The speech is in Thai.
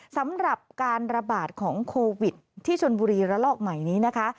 สำหรับการระบาดของโควิดที่ชนบุรีระลอกใหม่นี้นะคะ